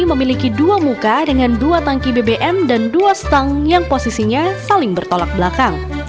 memiliki dua muka dengan dua tangki bbm dan dua stang yang posisinya saling bertolak belakang